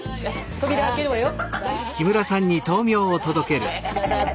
扉開けるわよ。